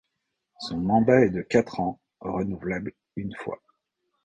Son mandat est de quatre ans renouvelable une fois.